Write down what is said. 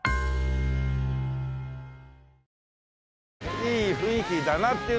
いい雰囲気だなっていう。